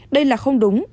đây là không đúng